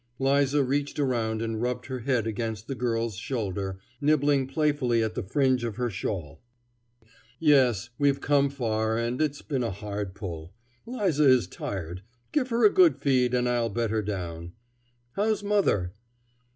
'Liza reached around and rubbed her head against the girl's shoulder, nibbling playfully at the fringe of her shawl. "Yes; we've come far, and it's been a hard pull. 'Liza is tired. Give her a good feed, and I'll bed her down. How's mother?"